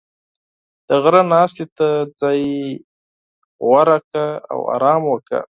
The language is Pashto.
• د غره ناستې ته ځای غوره کړه او آرام وکړه.